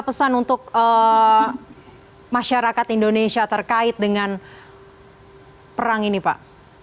pesan untuk masyarakat indonesia terkait dengan perang ini pak